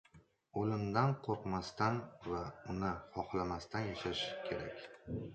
O‘limdan qo‘rqmasdan va uni xohlamasdan yashash kerak.